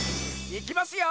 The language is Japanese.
いきますよ！